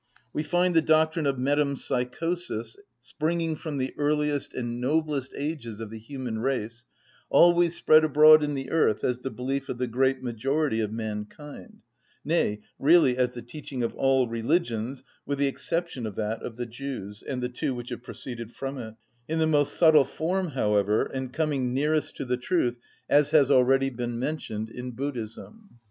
We find the doctrine of metempsychosis, springing from the earliest and noblest ages of the human race, always spread abroad in the earth as the belief of the great majority of mankind, nay, really as the teaching of all religions, with the exception of that of the Jews and the two which have proceeded from it: in the most subtle form, however, and coming nearest to the truth, as has already been mentioned, in Buddhism.